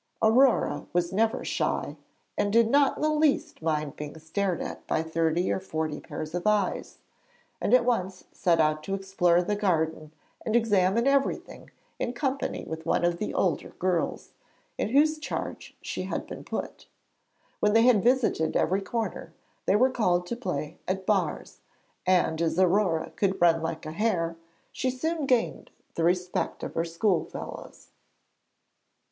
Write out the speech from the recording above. Aurore was never shy and did not in the least mind being stared at by thirty or forty pairs of eyes, and at once set out to explore the garden and examine everything in company with one of the older girls, in whose charge she had been put. When they had visited every corner, they were called to play at 'bars,' and as Aurore could run like a hare, she soon gained the respect of her schoolfellows.